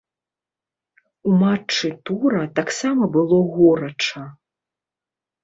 У матчы тура таксама было горача.